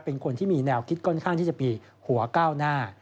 เป็นคนที่มีแนวคิดค่อนข้างที่จะมีหัวก้าวหน้า